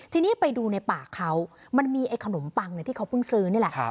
ทีนี้ไปดูในปากเขามันมีไอ้ขนมปังที่เขาเพิ่งซื้อนี่แหละ